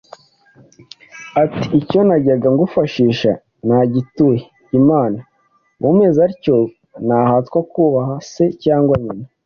ati: icyo najyaga kugufashisha nagituye Imana; umeze atyo ntahatwa kubaha se cyangwa nyina."